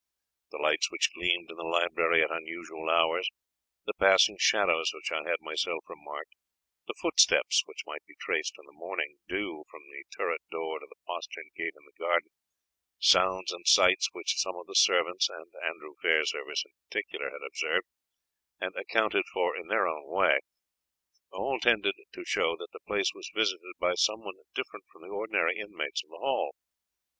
The lights which gleamed in the library at unusual hours the passing shadows which I had myself remarked the footsteps which might be traced in the morning dew from the turret door to the postern gate in the garden sounds and sights which some of the servants, and Andrew Fairservice in particular, had observed, and accounted for in their own way, all tended to show that the place was visited by some one different from the ordinary inmates of the hall.